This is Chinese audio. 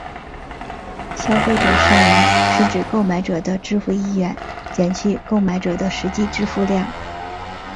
消费者剩余是指购买者的支付意愿减去购买者的实际支付量。